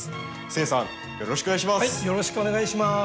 誓さんよろしくお願いします。